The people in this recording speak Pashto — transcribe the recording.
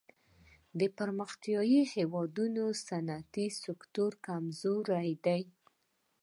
د پرمختیايي هېوادونو صنعتي سکتور کمزوری دی.